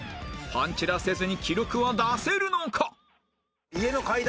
パンチラせずに記録は出せるのか！？